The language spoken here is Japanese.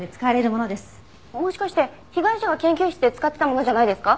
もしかして被害者の研究室で使っていたものじゃないですか？